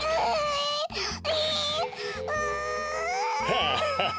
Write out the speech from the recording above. ハハハ！